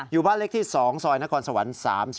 อยู่บ้านเลขที่๒ซอยนครสวรรค์๓๔